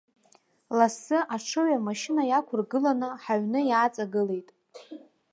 Лассы аҽыҩ амашьына иақәыргыланы ҳаҩны иааҵагылеит.